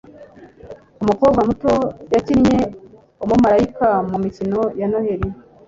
umukobwa muto yakinnye umumarayika mumikino ya noheri